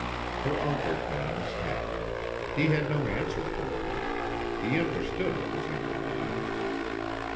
Her uncle put on his hat. He had no answer for her. He understood what was in her mind.